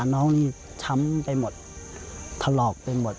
น้องนี่ช้ำไปหมดถลอกไปหมด